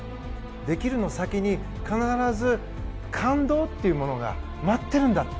できるの先に必ず感動というものが待っているんだって。